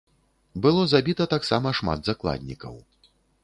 Было забіта таксама шмат закладнікаў.